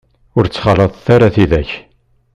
Ur ttxalaḍet ara tidak.